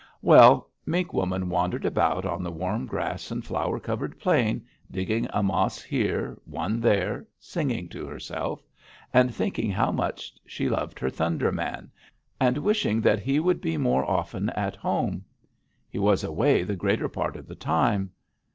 "Well, Mink Woman wandered about on the warm grass and flower covered plain, digging a mas here, one there, singing to herself, and thinking how much she loved her Thunder Man, and wishing that he would be more often at home. He was away the greater part of the time.